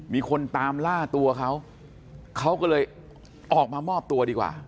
มีคนตามล่าตัวเขาเขาก็เลยออกมามอบตัวดีกว่า